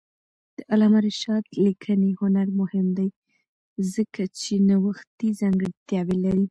د علامه رشاد لیکنی هنر مهم دی ځکه چې نوښتي ځانګړتیاوې لري.